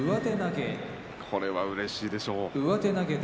これはうれしいでしょうね。